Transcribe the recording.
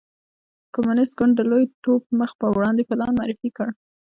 کمونېست ګوند د لوی ټوپ مخ په وړاندې پلان معرفي کړ.